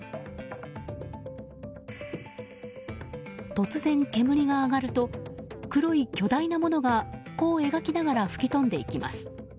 突然、煙が上がると黒い巨大なものが弧を描きながら吹き飛んでいきます。